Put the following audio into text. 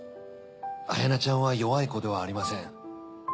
彩名ちゃんは弱い子ではありません。